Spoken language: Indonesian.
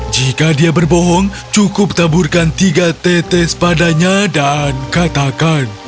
jika dia berbohong cukup taburkan tiga tetes padanya dan katakan